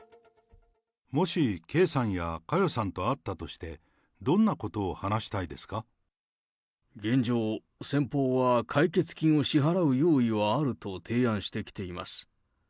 もし圭さんや佳代さんと会ったとして、現状、先方は解決金を支払う用意はあると提案してきています。